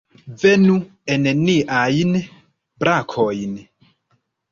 Venu en niajn brakojn!